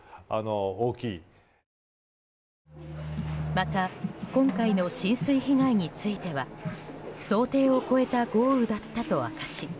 また今回の浸水被害については想定を超えた豪雨だったと明かし